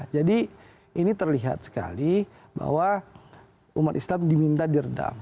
jadi ini terlihat sekali bahwa umat islam diminta diredam